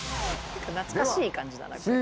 懐かしい感じだなこれ。